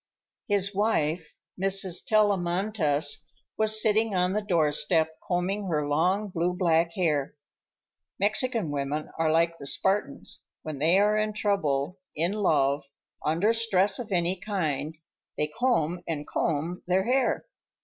His wife, Mrs. Tellamantez, was sitting on the doorstep, combing her long, blue black hair. (Mexican women are like the Spartans; when they are in trouble, in love, under stress of any kind, they comb and comb their hair.)